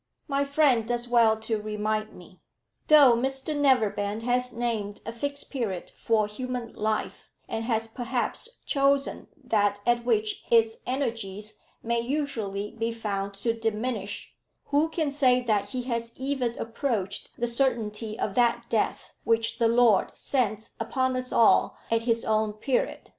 "My friend does well to remind me. Though Mr Neverbend has named a Fixed Period for human life, and has perhaps chosen that at which its energies may usually be found to diminish, who can say that he has even approached the certainty of that death which the Lord sends upon us all at His own period?